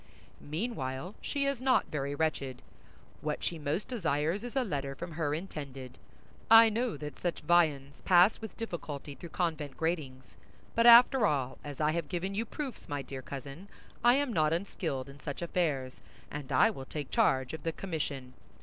Meanwhile, she is not very wretched; what she most desires is a letter from her intended. I know that such viands pass with difficulty through convent gratings; but after all, as I have given you proofs, my dear cousin, I am not unskilled in such affairs, and I will take charge of the commission.